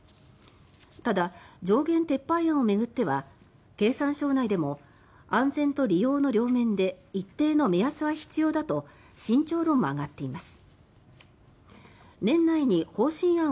ただ、上限撤廃案を巡っては経産省内でも安全と利用の両面で一定の目安は必要だと慎重論も上がっています。